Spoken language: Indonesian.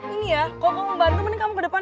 ini ya kalo kamu bantu mending kamu ke depan